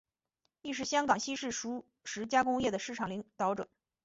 亦是香港西式熟食加工业的市场领导者。